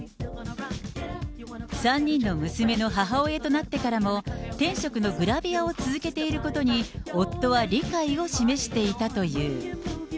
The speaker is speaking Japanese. ３人の娘の母親となってからも、天職のグラビアを続けていることに、夫は理解を示していたという。